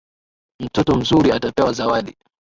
Mtoto mzuri atapewa zawadi.